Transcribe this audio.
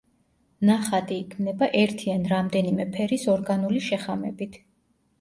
ნახატი იქმნება ერთი ან რამდენიმე ფერის ორგანული შეხამებით.